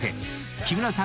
木村さん